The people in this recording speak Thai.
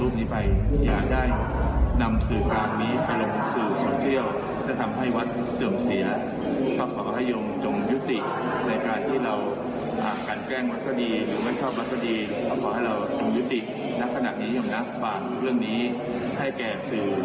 ฝากเรื่องนี้ให้แกสื่อมวลชนและรับชนักศาสตร์ทั่วไปได้แล้ว